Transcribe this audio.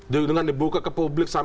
dengan dibuka ke publik